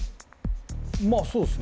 まあそうっすね。